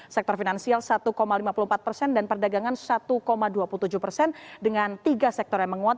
sektor finansial satu lima puluh empat persen dan perdagangan satu dua puluh tujuh persen dengan tiga sektor yang menguat